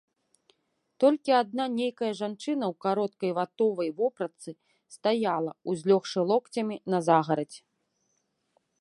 Толькі адна нейкая жанчына ў кароткай ватовай вопратцы стаяла, узлёгшы локцямі на загарадзь.